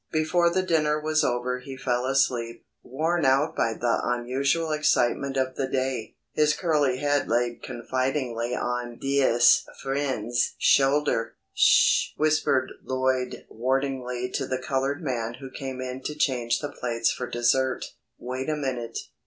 Before the dinner was over he fell asleep, worn out by the unusual excitement of the day, his curly head laid confidingly on "Dea'st Fwend's" shoulder. "Sh!" whispered Lloyd warningly to the coloured man who came in to change the plates for dessert. "Wait a minute.